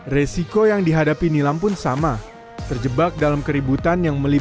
resiko yang dihadapi nilam pun sangat tinggi